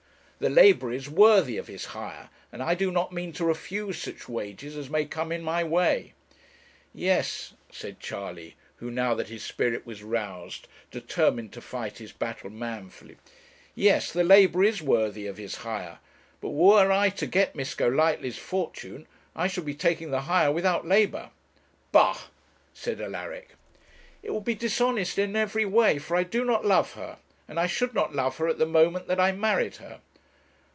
The labourer is worthy of his hire, and I do not mean to refuse such wages as may come in my way.' 'Yes,' said Charley, who, now that his spirit was roused, determined to fight his battle manfully, 'yes, the labourer is worthy of his hire; but were I to get Miss Golightly's fortune I should be taking the hire without labour.' 'Bah!' said Alaric. 'It would be dishonest in every way, for I do not love her, and should not love her at the moment that I married her.'